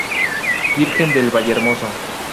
Virgen del Vallehermoso.